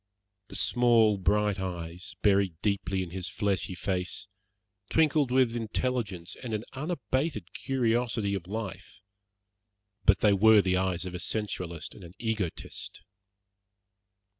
The small bright eyes, buried deeply in his fleshy face, twinkled with intelligence and an unabated curiosity of life, but they were the eyes of a sensualist and an egotist.